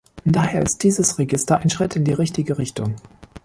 Daher ist dieses Register ein Schritt in die richtige Richtung.